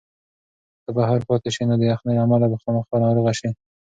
که ته بهر پاتې شې نو د یخنۍ له امله به خامخا ناروغه شې.